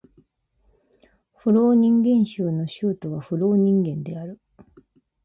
フローニンゲン州の州都はフローニンゲンである